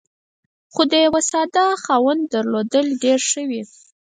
خو د یوه ساده خاوند درلودل ډېر ښه وي.